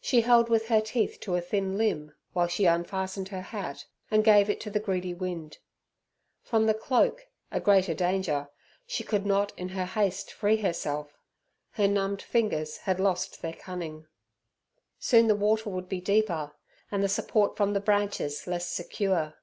She held with her teeth to a thin limb, while she unfastened her hat and gave it to the greedy wind. From the cloak, a greater danger, she could not in her haste free herself; her numbed fingers had lost their cunning. Soon the water would be deeper, and the support from the branches less secure.